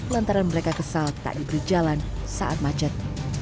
lantaran mereka kesal tak diberi jalan saat macet